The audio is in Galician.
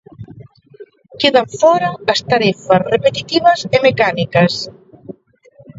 Quedan fóra as tarefas repetitivas e mecánicas.